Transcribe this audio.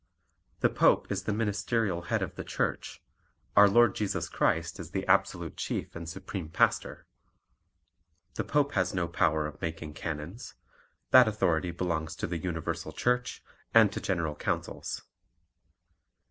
The Pope is the ministerial head of the Church; our Lord Jesus Christ is the Absolute Chief and Supreme Pastor. The Pope has no power of making canons; that authority belongs to the universal Church, and to general councils.